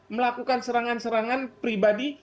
melakukan serangan serangan pribadi